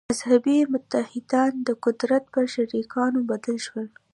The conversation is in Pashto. «مذهبي متحدان» د قدرت په شریکانو بدل شول.